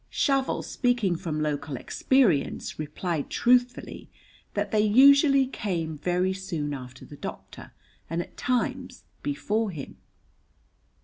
Shovel, speaking from local experience, replied truthfully that they usually came very soon after the doctor, and at times before him.